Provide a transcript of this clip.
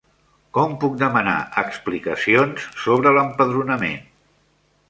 Com puc demanar explicacions sobre l'empadronament?